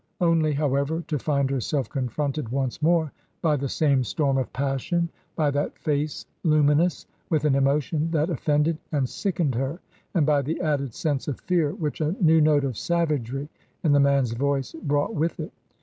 Only, however, to find her self confronted once more by the same storm of passion. TRANSITION. 281 by that face luminous with an emotion that offended and sickened her, and by the added sense of fear which a new note of savagery in the man*s voice brought with it.